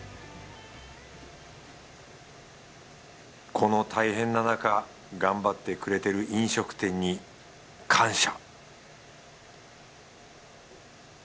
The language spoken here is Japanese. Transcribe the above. この大変ななか頑張ってくれてる飲食店に感謝